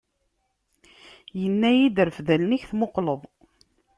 Inna-yi-d: Rfed allen-ik tmuqleḍ!